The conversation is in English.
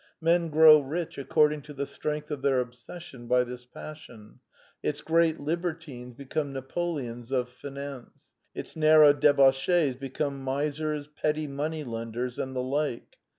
Men grow rich according to the strength of their obsession by this passion : its great liber tines become Napoleons of finance: its narrow debauchees become misers, petty moneylenders, and the like.